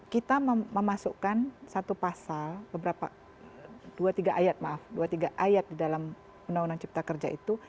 kita memasukkan satu pasal beberapa dua tiga ayat maaf dua tiga ayat di dalam uu cipta kerja itu